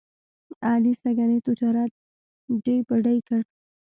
علي سږني تجارت ډۍ په ډۍ کړ.